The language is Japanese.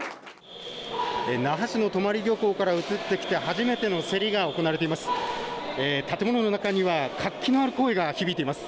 那覇市の泊漁港から移ってきた初めての競りが行われています。